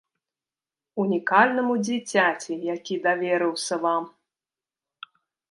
Унікальнаму дзіцяці, які даверыўся вам.